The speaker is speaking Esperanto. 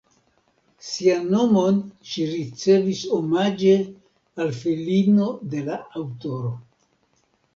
Sian nomon ŝi ricevis omaĝe al filino de la aŭtoro.